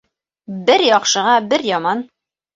Бер яҡшыға бер яман